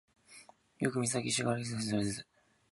よくみききしわかりそしてわすれず